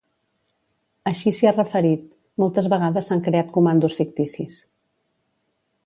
Així s’hi ha referit: Moltes vegades s’han creat comandos ficticis.